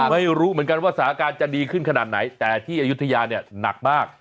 ไม่รู้เหมือนกันว่าสถานการณ์จะดีขึ้นขนาดไหนแต่ที่อายุทยาเนี่ยหนักมาก